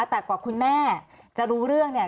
แต่กว่าคุณแม่จะรู้เรื่องเนี่ย